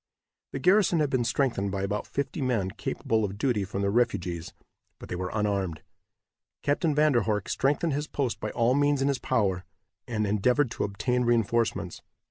The garrison had been strengthened by about fifty men capable of duty from the refugees, but they were unarmed. Captain Van der Horck strengthened his post by all means in his power, and endeavored to obtained reinforcements.